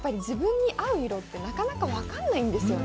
自分に合う色ってなかなか分からないですよね。